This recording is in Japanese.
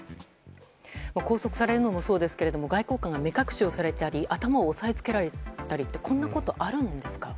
拘束されるのもそうですが外交官が目隠しをされたり頭を押さえつけられたりってこんなことあるんですか？